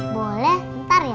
boleh ntar ya